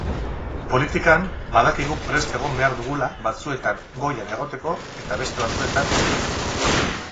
Politikan badakigu prest egon behar dugula batzuetan goian egoteko eta beste batzuetan, ez.